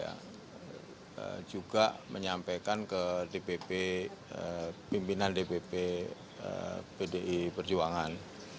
saya juga menyampaikan ke dpp pimpinan dpp pdi perjuangan